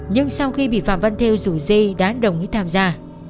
nhưng sau khi bị phạm văn thêu rủ dê đã đồng ý tham gia